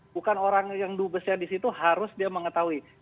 bukan orang yang dubesnya di situ harus dia mengetahui